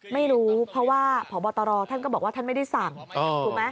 ไม่รู้เพราะว่าพบตรท่านก็บอกว่าท่านไม่ได้สั่งถูกไหม